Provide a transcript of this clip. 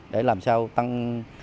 để làm sao tăng